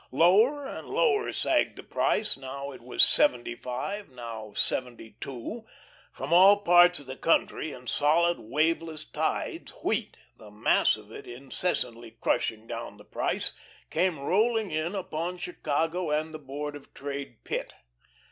Lower and lower sagged the price; now it was seventy five, now seventy two. From all parts of the country in solid, waveless tides wheat the mass of it incessantly crushing down the price came rolling in upon Chicago and the Board of Trade Pit.